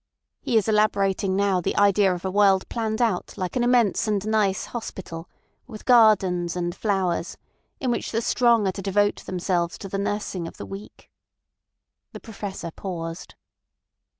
He is elaborating now the idea of a world planned out like an immense and nice hospital, with gardens and flowers, in which the strong are to devote themselves to the nursing of the weak." The Professor paused.